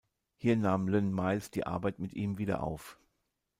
Hier nahm Lyn Miles die Arbeit mit ihm wieder auf.